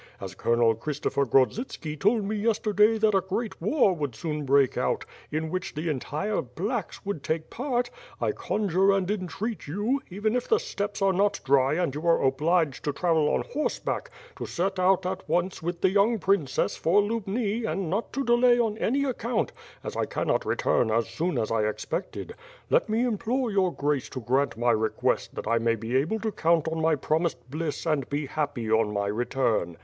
As Colonel Christopher Grodzitski told me yester day that a great war w^ould soon break out, in which the entire "blacks" would take part, I conjure and entreat you, even if the steppes are not dry and you are obliged to travel on horseback, to set out at once with the young princess for Lubni and not to delay on any account, as I cannot re turn as soon as I expected. Let me implore Your Grace to grant my request that 1 may be able to count on my promised bliss and be happy on my return.